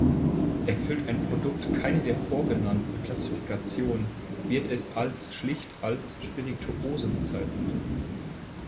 Erfüllt ein Produkt keine der vorgenannten Klassifikationen, wird es als schlicht als „Spirituose“ bezeichnet.